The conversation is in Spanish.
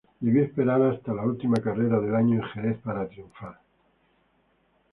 Debió esperar hasta la última carrera del año en Jerez para triunfar.